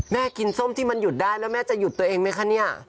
แม่กินส้มที่มันหยุดได้แล้วแม่จะหยุดตัวเองไหมคะเนี่ย